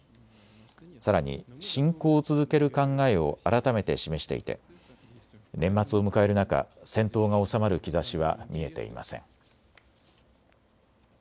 さらに侵攻を続ける考えを改めて示していて年末を迎える中、戦闘が収まる兆しは見えていません。